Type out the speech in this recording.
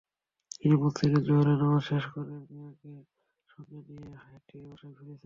তিনি মসজিদে জোহরের নামাজ শেষে তারা মিয়াকে সঙ্গে নিয়ে হেঁটে বাসায় ফিরছিলেন।